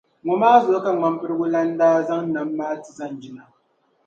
Ŋɔ maa zuɣu ka Ŋmampirigu Lana daa zaŋ Nam maa ti Zanjina.